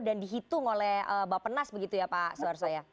dan dihitung oleh bapak penas begitu ya pak soeharto ya